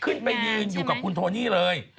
ขึ้นไปยืนอยู่กับคุณโทนี่เลย